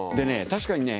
確かにね